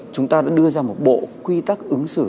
chúng ta đã đưa ra một bộ quy tắc ứng xử